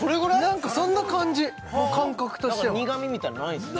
なんかそんな感じ感覚としては苦みみたいなのないんですね